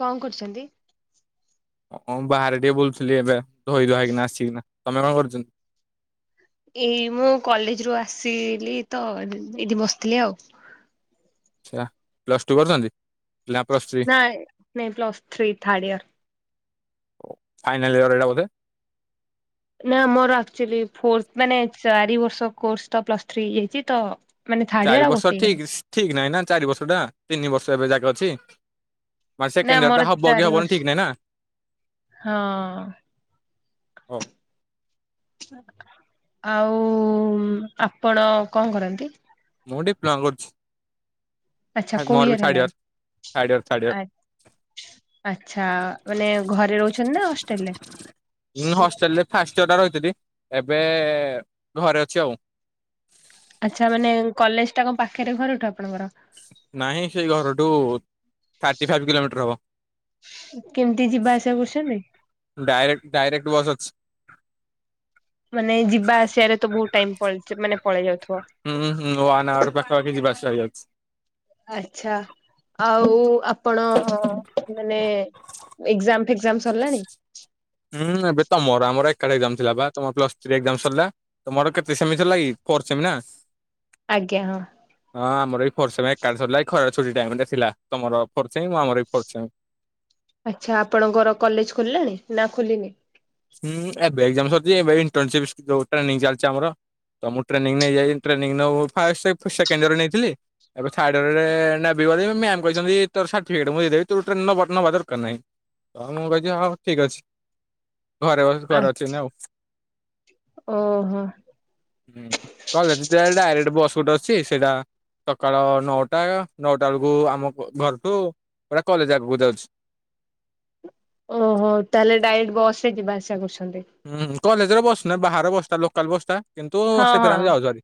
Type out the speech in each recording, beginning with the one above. କଣ କରୁଚନ୍ତି? ହଁ ବାହାରେ ଟିକେ ବୁଲୁଥିଲି ଏବେ, ଧୋଇ ଧୁଆ ହେଇକିନା ଆସିକିନା। ତମେ କଣ କରିଚନ୍ତି? ଏଇ ମୁଁ କଲେଜରୁୁ ଆସିଲି ତ ଏଠ ଏଠି ବସିଥିଲି ଆଉ। ଆଚ୍ଛା ପ୍ଲସ୍ ଟୁ କରୁଛନ୍ତି? ନା ପ୍ଲସ ଥ୍ରୀ ନାଇଁ ନାଇଁ ପ୍ଲସ ଥ୍ରୀ ଥାର୍ଡ ଇୟର। ଓ ଫାଇନାଲ ଇୟର ଏଇଟା ବୋଧେ? ନା ମୋର ଆକ୍ଚୁଆଲି ଫୋର୍ଥ ମାନେ ଚାରି ବର୍ଷ କୋର୍ସ ତ ପ୍ଲସ୍ ଥ୍ରୀ ହେଇଯାଇଛି ତ ମାନେ ଥାର୍ଡ ଚାରି ଇୟର ଆଉ ବର୍ଷ ଗୋଟେ ଇୟର ଠିକ, ଠିକ ନାହିଁ ନା ଚାରି ବର୍ଷ ଟା ତିନି ବର୍ଷ ଏବେ ଯାକ ଅଛି। ମାନେ ନା ସେକେଣ୍ଡ ମୋର ଇୟରଟା ହବ କି ଚାରି ହବନି ବର୍ଷ ଠିକ ନାହିଁ ନା। ହଁ। ହଉ। ଆଉ ଆପଣ କଣ କରନ୍ତି? ମୁଁ ଡିପ୍ଲମା କରୁଛି। ଆଛା କୋଉ ମୋର ବି ଇୟର ଥାର୍ଡ ହେଲାଣି ଥାର୍ଡ ଇୟର ଥାର୍ଡ ଇୟର ଆ ଆଛା ମାନେ ଘରେ ରହୁଛନ୍ତି ନା ହଷ୍ଟେଲ୍‌ ରେ? ହଷ୍ଟେଲ ରେ ଫାଷ୍ଟଇୟରଟା ରହିଥିଲି। ଏବେ ଘରେ ଅଛି ଆଉ। ଆଚ୍ଛା ମାନେ କଲେଜ ଟା କଣ ପାଖରେ ଘରଠୁ ଆପଣଙ୍କର? ନାହିଁ ସେଇ ଘରଠୁ ଥାର୍ଟି ଫାଇପି କିଲୋମିଟର ହବ। କେମିତି ଯିବା ଆସିବା କରୁଶନ୍ତି? ଡାଇରେକ୍ଟ ଡାଇରେକ୍ଟ ବସ୍ ଅଛି। ମାନେ ଯିବା ଆସିବାରେ ତ ବହୁତୁ ଟାଇମ ପଳେଇ ମାନେ ପଳେଇ ଯାଉଥିବ। କ କି ଯିବା ଆସିବା ହେଇଯାଉଛି ଆଛା ଆଉ ଆପଣ ମାନେ ଏକ୍ଜାମ ଏକ୍ଜାମ ସରିଲଣି? କାଲି ଏକ୍ଜାମ ଥିଲା ବା ତମର ପ୍ଲସ୍ ଥ୍ରି ଏକ୍ଜାମ ସରିଲା ତମର କେତେ ସେମି ଥିଲା କି ଫୋର୍ ସେମି ନା। ଆଜ୍ଞା ହଁ ହଁ ଆମର ଏଇ ଫୋର୍ ସେମୀ ଏକାଳେ ସରିଲା ଏ ଖରାରେ ଛୁଟି ଟାଇମ ରେ ଥିଲା ତମର ଫୋର୍ ସେମି ଆମର ବି ଫୋର୍ ସେମି ଆଚ୍ଛା ଆପଣଙ୍କର କଲେଜ ଖୋଲିଲାଣି ନା ଖୋଲିିନି? ହୁଁ ଏବେ ଏକ୍ଜାମ ସରିଛି ଏବେ ଏଣ୍ଟନର୍ଶିପ ଯୋଉ ଟ୍ରେନିଂ ଚାଲିଛି ଆମର ତ ମୁଁ ଟ୍ରେନିଂ ନେଇଯାଇ ଟ୍ରେନିଂ ନଉ ଫା ସେକେଣ୍ଡ ୟରେ ନେଇଥିଲି ଏବେ ଥାର୍ଡ ଇୟରେ ନେବି ମ୍ୟାାମ କହିଛନ୍ତି ତୋର ସାର୍ଟିଫିକଟ ମୁଁ ଦେଇଦେବି ତୁ ଟ୍ରେ ନବା ଦରକାର ନାହିଁ। ତ ମୁଁ କହୀଛି ହଉ ଠିକ ଅଛି। ଘରେ ବସ ଆ ଘରେ ଅଛିନା ଆଉ ଓହୋ। ହୁଁ କ ହେଲା ଜିବି ଡାଇରେକ୍ଟ ବସ ଗୁଟେ ଅଛି ସେଇଟା ସକାଳ ନଅଟା ନଅଟା ବେଳକୁ ଆମ ଘରଠୁ ପୁରା କଲେଜ ଆଗକୁ ଯାଉଛି। ଓହୋ ତାହେଲେ ଡାଇରେକ୍ଟ ବସ ରେ ଯିବା ଆସିବା କରୁଛ ହୁଁ କଲେଜ ର ବସ ନା ବାହାର ବସ୍ ଟା ଲୋକାଲ ବସ୍ ଟା କିନ୍ତୁ ହଁ ସେଥିରେ ହଁ ଆମେ ଯାଉଛୁହେରି।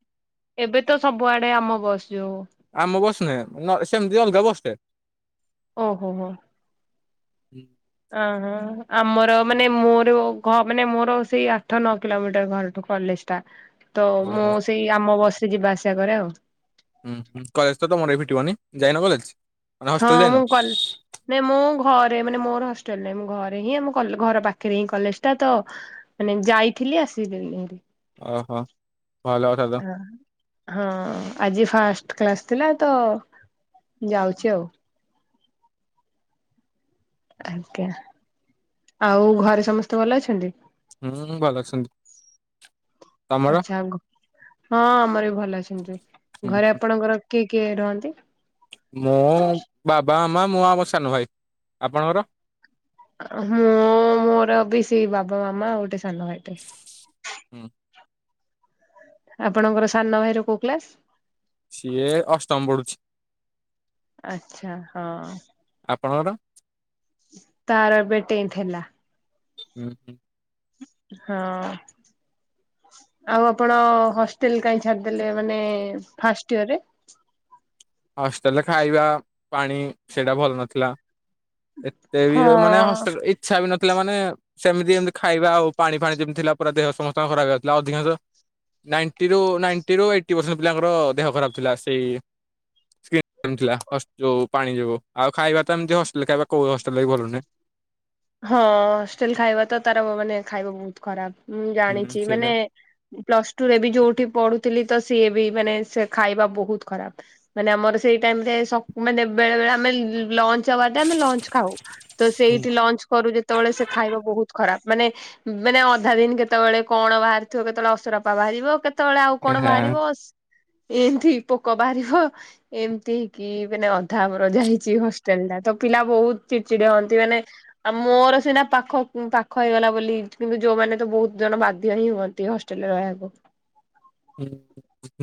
ଏବେ ତ ସବୁଆଡେ ଆମ ବସ୍ ଯୋଉ ଆମ ବସ ନୁହେଁ ସେମତି ଅଲଗା ବସ ଟେ ଓହୋ ହୋ ହୁଁ। ଅହ ଆମର ମାନେ ମୋର ଘ ମାନେ ମୋର ସେଇ ଆଠ ନଅ କିଲୋମିଟର ଘରଠୁ କଲେଜ ଟା ତ ମୁଁ ଓହୋ ସେଇ ଆମ ବସ ରେ ଯିବା ଆସିବା କରେ ଆଉ। ହୁଁ ହୁଁ କଲେଜ ତମର ବି ଫିଟିବନି ଯାଇନ କଲେଜ? ମାନେ ହଁ ହଷ୍ଟେଲ ଯାଇନ ମୁଁ କଲ ମୁଁ ଘରେ ମାନେ ମୋର ହସ୍ ଟେଲ ନାହିଁ ଘରେ ହିଁ ଆମ ଘର ପାଖରେ ହିଁ କଲେଜ ଟା ତ ମାନେ ଯାଇଥିଲି ଆସିଲିଣି ହେରି। ଓହୋ। ଭଲ କଥା ତ ହଁ ଆଜି ଫାଷ୍ଟ କ୍ଲାସ ଥିଲା ତ ଯାଉଛି ଆଉ। ଆଜ୍ଞା ଆଉ ଘରେ ସମସ୍ତେ ଭଲ ଅଛନ୍ତି? ହୁଁ ଭଲ ଅଛନ୍ତି। ତମର? ଆଚ୍ଛା ହଁ ଆମର ବି ଭଲ ଅଛନ୍ତି ଘରେ ଆପଣଙ୍କର କିଏ କିଏ ରୁହନ୍ତି? ମୁଁ ବାବା ମାମ ମୁଁ ଆମ ସାନ ଭାଇ। ଆପଣଙ୍କର? ମୁଁ ମୋର ବି ସେଇ ବାବା ମାମା ଗୋଟେ ସାନ ଭାଇଟେ। ହୁଁ। ଆପଣଙ୍କର ସାନ ଭାଇ ର କୋଉ କ୍ଲାସ? ସିଏ ଅଷ୍ଟମ ପଢୁଛି। ଆଛା ହଁ। ଆପଣଙ୍କର? ତାର ଏବେ ଟେନ୍ଥ ହେଲା। ହୁଁ ହୁଁ। ହଁ। ଆଉ ଆପଣ ହଷ୍ଟେଲ କାହିଁ ଛାଡିଦେଲେ ମାନେ ଫାର୍ଷ୍ଟ ଇୟରରେ? ହଷ୍ଟେଲରେ ଖାଇବା ପାଣି ସେଇଟା ଭଲ ନଥିଲା। ଏତେ ବି ହଁ ମାନେ ହଷ୍ଟେଲ ଇଚ୍ଛା ବି ନ ଥିଲା ମାନେ ସେମିତି ଏମିତି ଖାଇବା ଆଉ ପାଣି ଫାଣି ଯେମିତି ଥିଲା ପୁରା ଦେହ ସମସ୍ତଙ୍କ ଖରାପ ହେଇଯାଉଥିଲା ଅଧିକାଂଶ। ନାଇଣ୍ଟି ରୁ ନାଇଣ୍ଟି ରୁ ଏଇଟି ପରସେଣ୍ଟ ପିଲାଙ୍କର ଦେହ ଖରାପ ଥିଲା ସେଇ। ଥି ଥିଲା ହସ ଯୋଉ ପାଣି ଯୋଗୁ ଆଉ ଖାଇବା ତ ଏମିତି ହଷ୍ଟେଲ ଖାଇବା କଉ ବି ହଷ୍ଟେଲ ରେ ବି ଭଲ ନୁହେଁ। ହଁ ହଷ୍ଟେଲ ଖାଇବା ତ ତାର ବ ମାନେ ଖାଇବା ବହୁତ ଖରାପ। ମୁଁ ହୁଁ ଜାଣିଛି ମାନେ ସେଇଟା ପ୍ଲସ ଟୁ ରେ ବି ଯୋଉଠି ପଢୁଥିଲି। ତ ସିଏ ବି ମାନେ ସେ ଖାଇବା ବହୁତ ଖରାପ ମାନେ ଆମର ସେଇ ଟାଇମରେ ସକ୍ ମାନେ ବେଳେ ବଳେ ଆମେ ଲ-ଲଞ୍ଚ ଆୱାର୍ ଟା ଆମେ ଲଞ୍ଚ ଖାଉ ତ ସେଇଠି ଲଞ୍ଚ। କରୁ ଯେତେବେଳେ ସେ ଖାଇବା ବହୁତ ଖରାପ ମାନେ ମାନେ ଅଧା ଦିନ କେତେବେଳେ କଣ ବାହାରିଥିବ କେତେବେଳେ ଅସର ପା ବାହାରିବ କେତେବେଳେ ଆଉ କଣ ବାହାରିବ ଏମିତି ପୋକ ବାହାରିବ ଏମିତି ହେଇ କି ମାନେ ଅଧା ଆମର ଯାଇଛି ହଷ୍ଟେଲ। ଟା ପିଲା ବହୁତ ଚିଡ଼ିଚିଡ଼ି ହୁଅନ୍ତି ମାନେ। ଆଉ ମୋର ସିନା ପାଖ ପାଖ ହେଇଗଲା ବୋଲି କିନ୍ତୁ ଯୋଉମାନେ ତ ବହୁତ ଜଣ ବାଧ୍ୟ ହିଁ ହୁଅନ୍ତି ହଷ୍ଟେଲ ରେ ରହିଆକୁ। ହୁଁ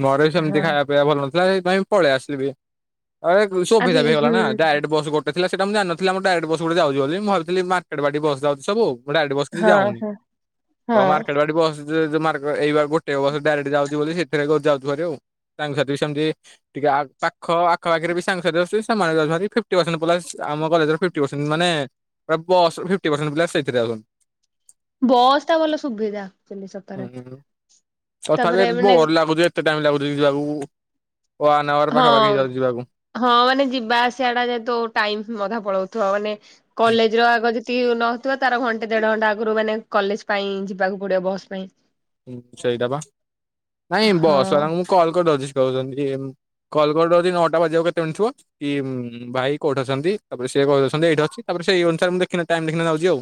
ଘରେ ବି ସେମିତି ଖାଇବା ପିଇବା ଭଲ ନଥିଲା ସେଇଥିପାଇଁ ପଳେଇ ଆସିଲି ବି। ଆ ଏ ସୁବିଧା ଆଜି ବି ହେଇଗଲା ହୁଁ ନା ଡାଇରେକ୍ଟ ବସ ଗୋଟେ ଥିଲା ସେଟା ମୁଁ ଜାଣିନଥିଲି ଆମ ଡ଼ାଇରେକ୍ଟ ବସ ଗୁଟେ ଯାଉଛି ବୋଲି ମୁଁ ଭାବିଥିଲି ମାର୍କେଟେ ବାଟେ ବସ ଯାଉଛି ସବୁ। ମୁଁ ଡାଇରେକ୍ଟ ବସ କିଛି ହଁ ଯାଉନି ହଁ ତ ହଁ ମାର୍କେଟ ବାଟେ ବସ ଯ ମାର୍କ ଏଇ ପା ଗୋଟେ ବସ ଡ଼ାଇରେକ୍ଟ ଯାଉଛି ବୋଲି ସେଥିରେ ଏକ ଯାଉଛୁ ହେରି ଆଉ ସାଙ୍ଗ ସାଥି ବି ସେମିତି ଟିକେ ଆ ପାଖ ଆଖ ପାଖରେ ବି ସାଙ୍ଗ ରେ ଆସୁଚି ସେମାନେ ଯାଉଚୁ ହେରି ଫିଫଟି ପସେଣ୍ଟ ପ୍ଲସ ଆମ କଲେଜରେ ଫିଫଟି ପସେଣ୍ଟ ମାନେ। ବସ୍ ଫିଫ୍ଟି ପସେଣ୍ଟ ପିଲା ସେଇଥିରେ ଯାଉଛନ୍ତି। ବସ୍ ଟା ଭଲ ସୁବିଧା ଆକଚୁଲି ସତରେ। ହୁଁ ତଥାପି ତାପରେ ଏତେ ମାନେ ବୋର ଲାଗୁଛି ଏତେ ଟାଇମ ଲାଗୁଛି ଯିବାକୁ ୱାନ୍ ଆୱାର ହଁ ପାଖାପାଖି ହେଇଯାଉଛି ଯିବାକୁ। ହଁ ମାନେ ଯିବା ଆସିବା ଟା ଯେହେତୁ ଟାଇମ ଅଧା ପଳଉଥିବା ମାନେ କଲେଜ ର ଆଗ ଯେତିକି ନଥିବ ତାର ଘଣ୍ଟେ ଦେଢ ଘଣ୍ଟା ଆଗରୁ ମାନେ କଲେଜ ପାଇଁ ଯିବାକୁ ପଡିବ ବସ୍ ପାଇଁ। ହୁଁ ସେଇଟା ବା ନାଇଁ ବସ୍ ହଁ ବାଲାଙ୍କୁ ମୁଁ କଲ୍ କରିଦଉଛି ସେ କହୁଛନ୍ତି ଉଁ। କଲ୍ କରଦଉଛି ନଅଟା ବାଜିବାକୁ କେତେ ମିନିଟି ଥିବ କି ଉଁ ଭାଇ କୋଉଠି ଅଛନ୍ତି ତାପରେ ସିଏ କହିଦଉଛନ୍ତି ଏଇଠି ଅଛି ତାପରେ ସେଇ ଅନୁସାରେ ମୁଁ ଦେଖିନା ଟାଇମ ଦେଖିନା ଯାଉଛି ଆଉ।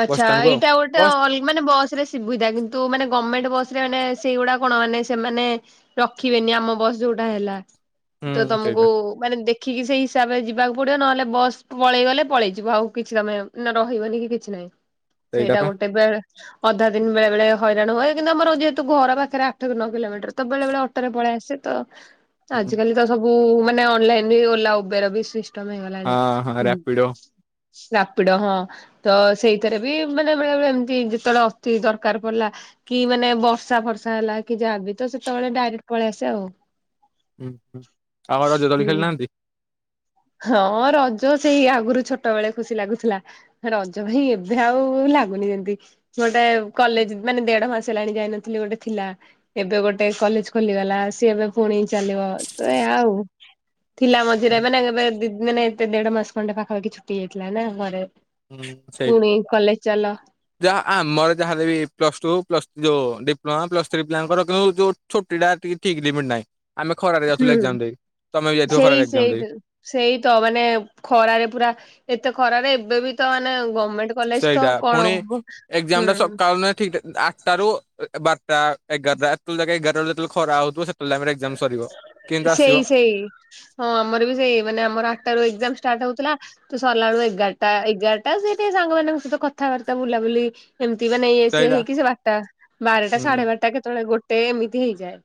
ଆଚ୍ଛା ବସଷ୍ଟାଣ୍ଡକୁ ଆଉ ଏଇଟା ଗୋଟେ ବସ୍ ଅଲ ମାନେ ବସ ରେ ସୁବିଧା କିନ୍ତୁ ମାନେ ଗମେଣ୍ଟ ବସ ରେ ମାନେ ସେଇଗୁଡା କଣ ମାନେ ସେମାନେ ରଖିବେନି ଆମ ବସ ଯୋଉଟା ହେଲା। ହୁଁ ତ ତମକୁ ସେଇଟା ମାନେ ଦେଖ ଦେଖିକି ସେଇ ହିସାବରେ ଯିବାକୁ ପଡିବ ନହେଲେ ବସ ପଳେଇଗଲେ ପଳେଇ ଯିବ ଆଉ କିଛି ତମେ ନା ରହିବନି କି କି କିଛି ନାଇଁ ସେଇଟା ଗୋଟେ ବେଳେ ଅଧା ଦିନ ବେଳେ ବେଳେ ହଇରାଣ ହୁଏ କିନ୍ତୁ ଆମର ଯେହେତୁ ଘର ପାଖରେ ଆଠ ରୁ ନଅ କିଲୋମି ଟର ତ ବେଳେ ବେଳେ ଅଟୋରେ ପଳେଇ ଆସେ ତ ହୁଁ। ଆଜିକାଲି ତ ସବୁ। ମାନେ ଅନଲାଇନ ବି ଓଲା ଉବେର ବି ସିଷ୍ଟମ ହେଇଗଲାଣି ହଁ ହଁ ଉଁ। ରାପିଡୋ ରାପିଡୋ ହଁ। ତ ସେଇଥିରେ ବି ମାନେ ବେଳେବେଳେ ଏମିତି ଯେତେବେଳେ ଅତି ଦରକାର ପଡିଲା କି ମାନେ ବର୍ଷା ଫ ସା ହେଲା କି ଯାହାବି ତ ସେତେବେଳେ ଡାଇରେକ୍ଟ ପଳେଇ ଆସେ ଆଉ। ହୁଁ ହୁଁ ଆଉ ରଜ ଦୋଳି ହୁଁ ଖେଳିନାହାନ୍ତି। ହଁ ରଜ ସେଇ ଆଗରୁ ଛୋଟ ବେଳେ ଖୁସି ଲାଗୁଥିଲା ରଜ ଭାଇ ଏବେ ଆଉ ଲାଗୁନି ଯେମତି ଗୋଟେ କଲେଜ ମାନେ ଦେଢ ମାସ ହେଲାଣି ଯାଇନଥିଲି ଗୋଟେ ଥିଲା ଏବେ ଗୋଟେ। କଲେଜ ଖୋଲିଗଲା ସିଏ ଏବେ ପୁଣି ଚାଲିବ ତ ଏ ଆଉ। ଥିଲା ମଝିରେ ଏବେ ଏବେ ମେ ଏତେ ଦେଢ ମାସ ଖଣ୍ଡେ ପାଖାପାଖି ଛୁଟି ହେଇଯାଇଥିଲା ନା ଘରେ ହୁଁ ସେଇଟା ପୁଣି କଲେଜ ଚାଲ ଯାହା ଆ ମୋର ଯାହା ବି ପ୍ଲସ ଟୁ ପ୍ଲସ ଯୋଉ ଡିପ୍ଲୋମା ପ୍ଲସ୍ ଥ୍ରୀ ପିଲଙ୍କର କିନ୍ତୁ ଯୋଉ ଛୁଟିଟା ଟିକେ ଠିକ ଲିମିଟ ନାହିଁ। ଖରାାରେ ଯାଉଥିଲୁ ହୁଁ। ଏକଯାମ ଦେଇ। ତମେ ବି ଯାଇଥିବ ସେଇ ଖରାରେ ଏକ୍ଜାମ ଦେଇ। ସେଇତ ସେଇ ତ ମାନେ ଖରାରେ ପୁରା ଏତେ ଖରାରେ ଏବେ ବି ତ ମାନେ ଗଭର୍ଣମେଣ୍ଟ କଲେଜ ତ ସେଇଟା କଣ ପୁଣି ଏକ୍ଜାମ ଟା ହୁଁ। ସକାଳ ଠିକ ଟା ରୁ ବାରଟା ଏଗାରଟା ଏତେବେଳେ ଯାକେ ଏଗାରଟା ବେଳେ ଖରା ହଉଥିବ ସେତେବେଳେ ଟାଇମ୍ ରେ ଏକ୍ସାମ୍ ସରିବ। କେମିତି ଆସିବ ସେଇ ସେଇ ହଁ ଆମର ବି ସେଇ ମାନେ ଆମର ଆଠଟା ରୁ ଏକ୍ସାମ୍ ଷ୍ଟାଟ୍ ହଉଥିଲା ତ ସରଲାଳୁ ଏଗାରଟା ଏଗାରଟା ସେ ଟିକ ସାଙ୍ଗମାନଙ୍କ ସହିତ କଥାବାର୍ତ୍ତା ବୁଲାବୁଲି ଏମିତି ନେଇ ସେଇଟା ହେଇକି ସେ ବାରଟା ବାରଟା ହୁଁ ସାଢେ ବାରଟା କେତେବେଳେ ଗୋଟେ ଏମିତି ହେଇଯାଏ।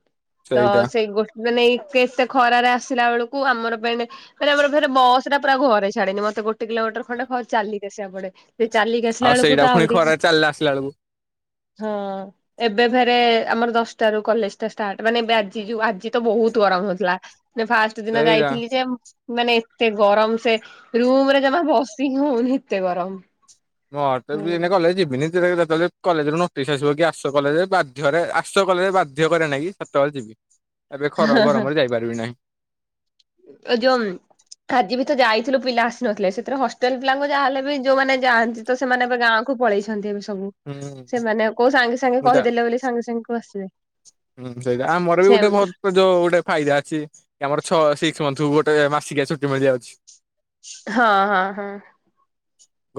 ତ ସେଇଟା ସେଇ ଗୋଟ ମାନେ ଏତେ ଏତେ ଖରାରେ ଆସିଲା ବେଳକୁ ଆମର ପାଇଁ ମାନେ ଆମର ଫରେ ବସ୍ ଟା ପୁରା ଘରେ ଛାଡେନି ମତେ ମତେ ଗୋଟେ କିଲୋମିଟର ଖଣ୍ଡେ ଚାଲିକି ଆସିବା ପଡେ ସେ ଚାଲିକି ଆସିଲା ଆଉ ବେଳକୁ ସେଇଟା ତ ପୁଣି ଆହୁରି ଖରା ଚାଲିଲା ଆସିଲା ବେଳକୁ ହଁ ଏବେ ଫେରେ ଆମର ଦଶଟା ରୁ କଲେଜ ଟା ଷ୍ଟାର୍ଟ ମାନେ ଆ ଯୋଉ ଆଜି ତ ବହୁତ ଗରମ ହେଉଥିଲା ଫାଷ୍ଟ ଦିନ ସେଇଟା ଯାଇଥିଲି ଯେ ମାନେ ଏତେ ଗରମ ସେ ରୁମ୍ ରେ ଜମା ବସିି ହି ହଉନି ଏତେ ଗରମ। ମୁଁ ହୁଁ। କଲେଜ ଯିବିନି। ଯେତେବେଳେ କଲେଜ ନୋଟିସ୍ ଆସିବ କି ଆସ କଲେଜରେ ବାଧ୍ୟରେ ଆସ କଲେଜରେ ବାଧ୍ୟ କରେ ନାଇଁ କି ସେତେବେଳେ ଯିବି। ଏବେ ଖରା ଗରମରେ ଯାଇପାରିବି ନାହିଁ। ଏ ଯୋଉ ଆଜି ଭି ତ ଯାଇଥିଲୁ ପିଲା ନଥିଲେ ସେଥିରେ ହଷ୍ଟେଲ ପିଲାଙ୍କୁ ଯାହା ହେଲେ ବି ଯୋଉମାନେ ଯାଆନ୍ତି ତ ସେମାନେ ଏବେ ଗାଁକୁ ପଳେଇଛନ୍ତି ଏବେ ସବୁ ହୁଁ ସେମାନେ କୋଉ ସାଙ୍ଗେ ସାଙ୍ଗେ ବୁଝା କହିଦେଲେ ବୋଲି ସାଙ୍ଗେ ସାଙ୍ଗେ କୋଉ ଆସିବେ। ହୁଁ ସେଇଟା ଆମର ବି ସେ ଗୋଟେ ବହୁତ ଯୋଉ ଗୋଟେ ଫାଇଦା ଅଛି ଆମର ଛଅ ସିକ୍ସ ଗୋଟେ ମାସିକିଆ ଛୁଟି ମିଳିଯଆାଉଛି। ହଁ ହଁ ହଁ।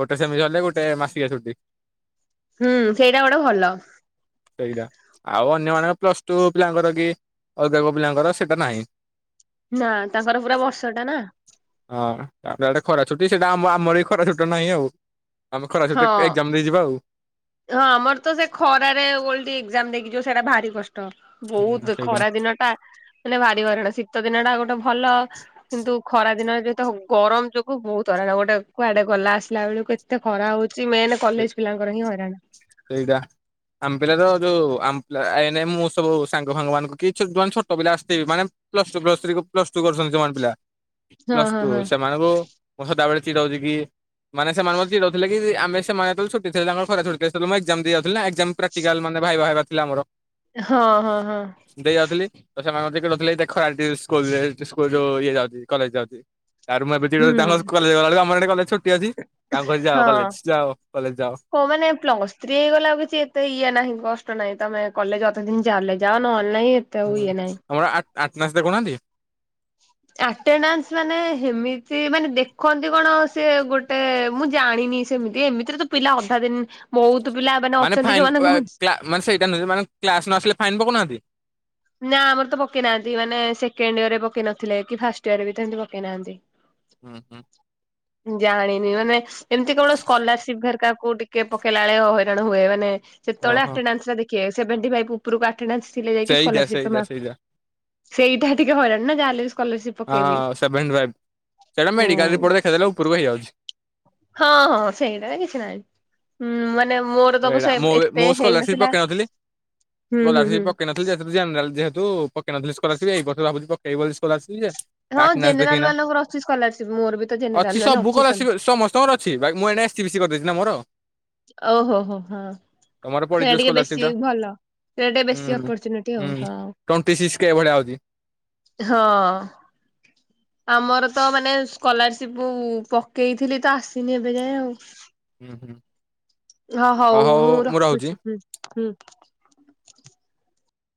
ଗୋଟେ ସେମି ସରିଲେ ଗୋଟେ ମାସିକଆ ଛୁଟି। ହୁଁ ସେଇଟା ଗୋଟେ ଭଲ। ସେଇଟା ଆଉ ଅନ୍ୟ ମାନଙ୍କ ପ୍ଲସ ଟୁ ପିଲାଙ୍କର କି ଅଲଗା କୋଉ ପିଲାଙ୍କର ସେଇଟା ନାହିଁ। ନା ତାଙ୍କର ପୁରା ବର୍ଷ ଟା ନା। ହଁ ତାପରେ ଆଉ ଗୋଟେ ଖରା ଛୁଟି ସେଇଟା ଆମ ଆମର ଏ ଖରା ଛୁଟି ନାହିଁ ଆଉ। ଆମେ ଖରାଛୁଟେ ହଁ। ଏକ୍ଜାମ ଦେଇଯିବା ଆଉ। ହଁ ଆମର ତ ସେ ଖରାରେ ଓଲଟି ଏକ୍ଜାମ ଦେଇକିଯିବ ସେଟା ଭାରି କଷ୍ଟ। ହୁଁ ବହୁତ ସେଇଟା ଖରା ଦିନ ଟା ମାନେ ଭାରି ହଇରାଣ ଶୀତ ଦିନ ଟା ଗୋଟେ ଭଲ କିନ୍ତୁ ଖରା ଦିନରେ ଯେତେ ଗରମ ଯୋଗୁ ବହୁତ ହଇରାଣ ଗୋଟେ କୁଆଡେ ଗଲା ଆସିଲା ବେଳକୁ ଏତେ ଖରା ହଉଛି ସେ ମେନ୍ ସେ କଲେଜ ପିଲାଙ୍କର ହିଁ ହଇରାଣ। ସେଇଟା। ଆମ ପିଲା ତ ଯୋଉ ଆମ ପିଲା ଏ ନାଇ ମୁଁ ସବୁ ସାଙ୍ଗ ଫାଙ୍ଗ ମାନଙ୍କୁ କି ଯଉମାନେ ଛୋଟ ପିଲା ଆସିଥିବି ମାନେ plus two plus three plus two କରୁଛନ୍ତି ଯେଉଁ ମାନେ ପିଲା ହଁ ପ୍ଲସ ହଁ ଟୁ ହଁ। ସେମାନଙ୍କୁ ମୁଁ ସଦାବେଳେ ଚିଡଉଛି କି ମାନେ ସେମାନେ ମୋତେ ଚିଡଉଥିଲେ କି ଆମେ ସେମାନେ ଛୁଟି ଥିଲେ ତାଙ୍କ ଖରାଛୁଟି ଥିଲା ସେତେବେଳେ ଏକ୍ଜାମ ଦେଇ ଯାଉଥିଲ ପ୍ରାଟିକାଲ ମାନେ ଭାଇବା ଫାଇବା ଥିଲା ମୋର ହଁ ହଁ ହଁ ଦେଇ ଯାଉଥିଲି ସେମାନ ମୋତେ ଚିଡଉଥିଲେ ଏ ଯାଉଛି କଲେଜ ଯାଉଛି ଆରେ ମୁଁ ଏବେ ଚିଡଉଛି ହୁଁ ତାଙ୍କ କଲେଜ ଗଲାବେଳକୁ ଆମର ଏ କଲେଜ ଛୁଟି ଅଛି ତାଙ୍କୁ କହୁଛି ଯାଅ ହଁ। କଲେଜ ଯାଅ। କଲେଜ ଯାଅ। ହଁ ମାନେ ପ୍ଲସ୍ ଥ୍ରୀ ହେଇଗଲା କିଛି ଏତେ ଇଏ ନାହିଁ କଷ୍ଟ ନାହିଁ ତମେ କଲେଜ ଅଧେ ଦିନ ଯାଇଲେ ଯାଅ ନହେଲେ ନାଇଁ ଏତେ ଆଉ ଇଏ ନାହିଁ। ଆଟ୍ନାନ୍ସ ଦେଖୁ ନାହାନ୍ତି? ଆଟ୍ନାନ୍ସ ମାନେ ସେମିତି ମାନେ ଦେଖନ୍ତି କଣ ସେ ଗୋଟେ ମୁଁ ଜାଣିନି। ସେମିତି ଏମିତିରେ ତ ପିଲା ଅଧା ଦିନ ବହୁତ ପିଲା ମାନେ ଅଛନ୍ତି ଫାଇନ୍ ଯୋଉମାନଙ୍କୁ ମୁଁ ମାନେ ସେଇଟା ନ ମାନେ, କ୍ଲାସ ନ ଆସିଲେ ଫାଇନ୍ ପକଉନାହାନ୍ତି ନା ଆମର ତ ପକେଇ ନାହାନ୍ତି ମାନେ ସେକେଣ୍ଡ ଇୟର୍ ରେ ପକେଇ ନଥିଲେ କି ଫାଷ୍ଟ ଇୟର୍ ରେ ବି ସେମତି ପକେଇନାହାନ୍ତି। ହୁଁ ହୁଁ ଜାଣିନି ମାନେ ଏମତି କୋୖଣସି ସ୍କଲାରସିପ୍ ଘରିକା କୁ ଟିକେ ପକେଇଲା ବେଳେ ହଇରାଣ ହୁଏ, ମାନେ କେତେବେଳେ ଓହୋ ଆଟ୍ନାନ୍ସ ଟା ଦେଖିବେ ସେଭେନ୍ଟି ଫାଇଭ୍ ଉପରକୁ ଆଟ୍ନାନ୍ସ ଥିଲେ ଯାଇକି ସେଇଟା ସ୍କଲାରସିପ୍ ସେଇଟା ସେଇଟା ସେଇଟା ଟିକେ ହଇରାଣ ନା ଯାହା ହେଲେବି ହଁ ସେଭେନ୍ଟି ଫାଇଭ୍ ସେଟା ହୁଁ। ମେଡିକାଲ ରିପୋର୍ଟ ଦେଖେଇଦେଲେ ଉପରକୁ ହେଇଯାଉଛି। ହଁ ହଁ ସେଇଟାରେ କିଛି ନାହିଁ ମାନେ ମୋର ତବୁ ଏଇଟା ସେ ଏତେ ହେଇନଥିଲା ହୁଁ ଚଲା ହୁଁ ସେ ହୁଁ। ପକ୍କେଇ ନଥିଲ ଯ ତୁ ପକେଇ ନଥିଲ କରସିବ ଏଇ ବର୍ ଭାବୁ ପକେଇବ କରସିବ ଯେ ହଁ ଜେନେରାଲ ଦେଖ ମାନଙ୍କର ଅଛି ସ୍କଲାରସିପ ମୋର ବି ତ ଅଛି ଜେନେରାଲ ମାନେ ସବୁ ଭୁକର ଆସ ସ୍କଲାରସିପ। ସମସ୍ତଙ୍କର ଅଛି ମୁ ଏସିତି ବିଶି କରିଦେଇଛି ନା ମୋର ଓହୋ ହୋ ହୋ ତମର ସୋ ପଡିଯିବ ଟିକେ ସ୍କଲାରସିପ ବେଶୀ ଟା। ଭଲ। ଟ ହୁଁ ବେଶୀ ଅପରଚୁନିଟି ଆଉ ହୁଁ ହଁ। ଟ୍ୱେଣ୍ଟି ସିକ୍ସ କେ ଭଳିଆ ଆଉଛି। ହଁ। ଆମର ତ ମାନେ ସ୍କଲାରସିପ ପକେଇଥିଲି ତ ଆସିନି ଏବେ ଯାଏ ଆଉ। ହୁଁ ହୁଁ। ହଁ ହଉ ମୁଁ ରଖୁଛିୁ ହ ହୁଁ।